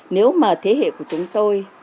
nếu mà thế hệ của chúng tôi